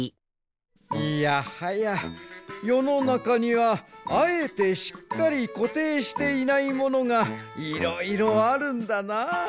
いやはやよのなかにはあえてしっかりこていしていないものがいろいろあるんだな。